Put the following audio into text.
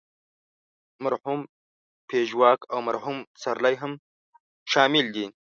مرحوم پژواک او مرحوم پسرلی هم شامل دي.